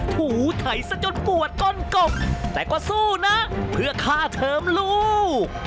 ถูไถ่ซะจนปวดก้นกบแต่ก็สู้นะเพื่อค่าเทิมลูก